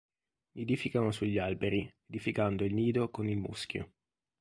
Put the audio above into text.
Nidificano sugli alberi, edificando il nido con il muschio.